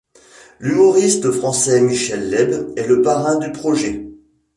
L'humoriste français Michel Leeb est le parrain du projet.